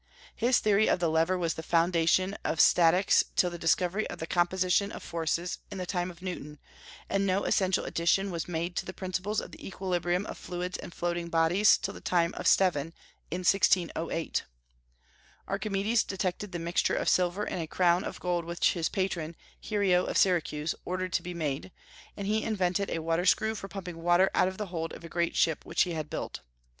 His theory of the lever was the foundation of statics till the discovery of the composition of forces in the time of Newton, and no essential addition was made to the principles of the equilibrium of fluids and floating bodies till the time of Stevin, in 1608. Archimedes detected the mixture of silver in a crown of gold which his patron, Hiero of Syracuse, ordered to be made; and he invented a water screw for pumping water out of the hold of a great ship which he had built.